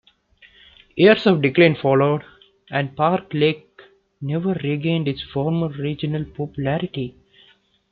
Years of decline followed and Park Lake never regained its former regional popularity.